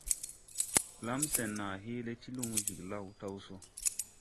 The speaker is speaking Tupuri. Blam sen naa hee le ti lumo Jiglao taw so.